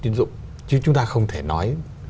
tiến dụng chứ chúng ta không thể nói